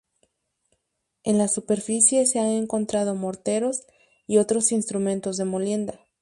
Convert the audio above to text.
En la superficie se han encontrado morteros y otros instrumentos de molienda.